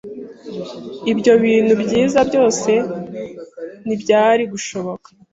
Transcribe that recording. Ibyo bintu byiza byose ntibyari gushoboka